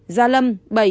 gia lâm bảy